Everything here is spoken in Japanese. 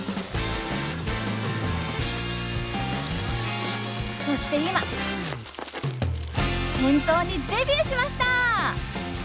さあそして今店頭にデビューしました！